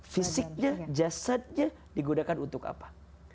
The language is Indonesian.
fisiknya jasadnya digunakan untuk apa